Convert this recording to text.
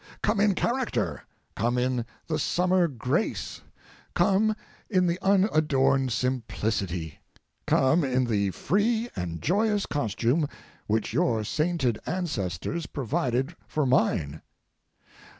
Come in character; come in the summer grace, come in the unadorned simplicity, come in the free and joyous costume which your sainted ancestors provided for mine.